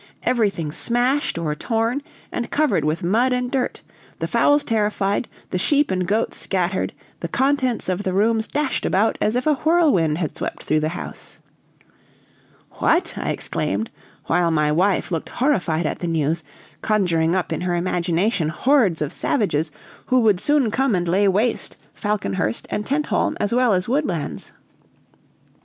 Everything smashed or torn, and covered with mud and dirt; the fowls terrified, the sheep and goats scattered, the contents of the rooms dashed about as if a whirlwind had swept through the house." "What!" I exclaimed, while my wife looked horrified at the news, conjuring up in her imagination hordes of savages who would soon come and lay waste Falconhurst and Tentholm as well as Woodlands.